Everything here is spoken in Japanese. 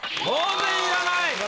当然いらない！